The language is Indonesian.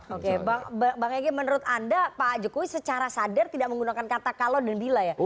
oke bang egy menurut anda pak jokowi secara sadar tidak menggunakan kata kalau dan dila ya